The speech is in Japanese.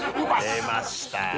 出ました！